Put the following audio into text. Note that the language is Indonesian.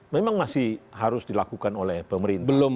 memang masih harus dilakukan oleh pemerintah